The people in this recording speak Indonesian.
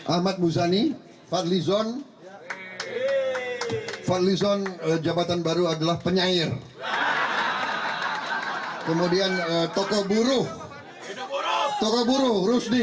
ahmad buzani fadlizon fadlizon jabatan baru adalah penyair kemudian tokoh buruh